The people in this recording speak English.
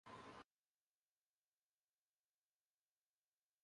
The foundations can be traced for some metres.